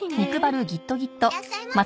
いらっしゃいませ。